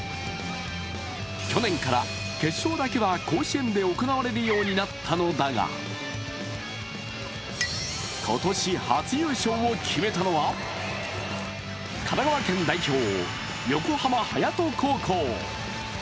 去年から決勝だけは甲子園で行われるようになったのだが今年初優勝を決めたのは神奈川県代表、横浜隼人高校。